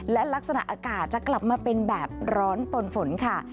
และลักษณะอากาศจะกลับมาเป็นแบบร้อนปนฝนค่ะ